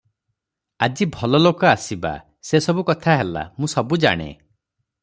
ଆଜି ଭଲଲୋକ ଆସିବା- ଯେ ସବୁ କଥା ହେଲା, ମୁଁ ସବୁ ଜାଣେ ।